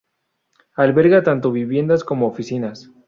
Alberga tanto viviendas como oficinas.